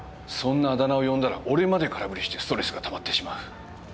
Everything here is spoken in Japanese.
そんなあだ名を呼んだら俺まで空振りしてストレスがたまってしまう。